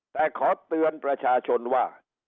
แต่ขอเตือนประชาชนว่า